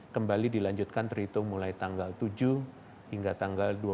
kembali dilanjutkan terhitung mulai tanggal tujuh hingga tanggal dua puluh tiga desember dua ribu dua puluh satu